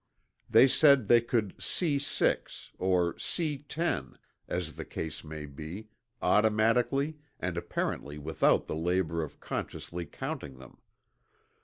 They said they could "see six," or "see ten," as the case may be, automatically and apparently without the labor of consciously counting them.